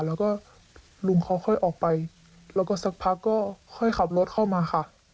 แล้วก็ลุงเขาค่อยออกไปแล้วก็สักพักก็ค่อยขับรถเข้ามาค่ะ